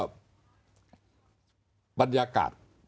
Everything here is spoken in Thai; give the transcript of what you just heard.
บรรยากาศ